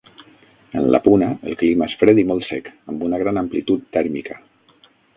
En la Puna, el clima és fred i molt sec, amb una gran amplitud tèrmica.